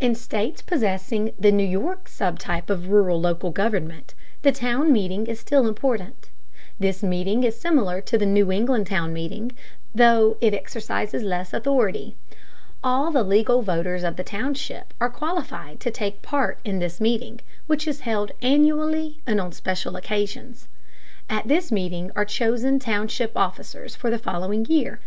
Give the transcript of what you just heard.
In states possessing the New York sub type of rural local government, the town meeting is still important. This meeting is similar to the New England town meeting, though it exercises less authority. All the legal voters of the township are qualified to take part in this meeting, which is held annually and on special occasions. At this meeting are chosen township officers for the following year.